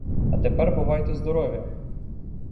А тепер бувайте здорові!